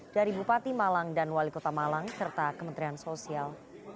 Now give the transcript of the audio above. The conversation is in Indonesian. dari bupati malang dan wali kota malang serta kementerian sosial